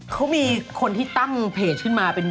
เขามีคนที่ตั้งเพจขึ้นมาเป็น